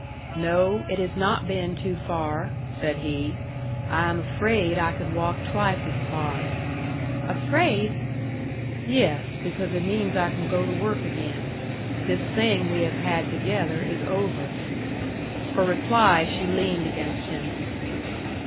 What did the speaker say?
"No, it has not been too far," said he. "I am afraid I could walk twice as far." "Afraid?" "Yes. Because it means I can go to work again. This thing we have had together is over." For reply, she leaned against him.